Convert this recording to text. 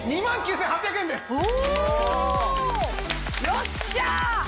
よっしゃ！